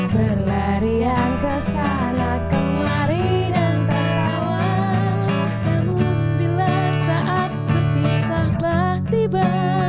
berlarian kesana kemari dan berawal namun bila saat berpisah telah tiba